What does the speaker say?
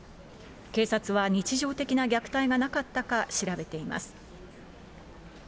警察は日常的な虐待がなかったか調べています。